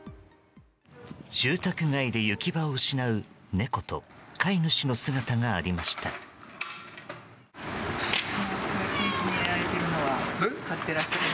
住宅街で行き場を失う猫と飼い主の姿がありました。